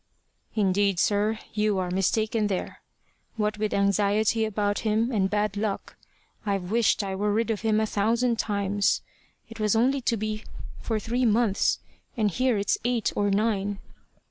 "Indeed, sir, you are mistaken there. What with anxiety about him, and bad luck, I've wished I were rid of him a thousand times. It was only to be for three months, and here it's eight or nine."